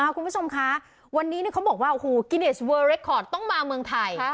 คุณผู้ชมคะวันนี้เขาบอกว่าโอ้โหกิเนสเวอร์เรคคอร์ดต้องมาเมืองไทย